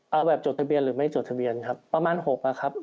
เอาแบบจดทะเบียนหรือไม่จดทะเบียนครับประมาณ๖นะครับ